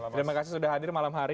terima kasih sudah hadir malam hari